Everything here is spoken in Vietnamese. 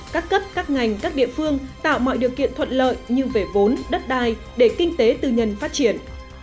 các cấp các ngành các địa phương tạo mọi điều kiện thuận lợi như về vốn đất đai để kinh tế tư nhân phát triển